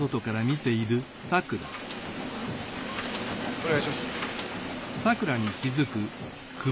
お願いします。